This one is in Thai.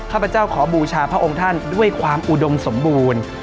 ขพเจ้าขอบูชาพระองค์ท่านด้วยความอุดมสมบูรณ์